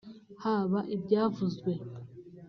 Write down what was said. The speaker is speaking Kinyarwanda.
haba ibyavuzwe